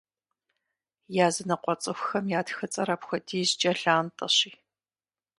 Языныкъуэ цӏыхухэм я тхыцӏэр апхуэдизкӏэ лантӏэщи.